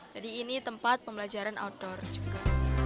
ini tempat pembelajaran outdoor juga